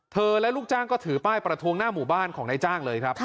และลูกจ้างก็ถือป้ายประท้วงหน้าหมู่บ้านของนายจ้างเลยครับ